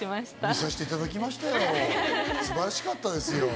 見させていただきましたよ、素晴らしかったですよ。